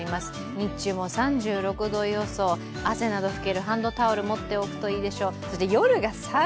日中も３６度予想、汗など拭けるハンドタオルなどを持っておくといいでしょう。